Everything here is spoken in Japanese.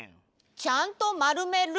ちゃんとまるめる？